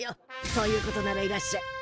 そういうことならいらっしゃい。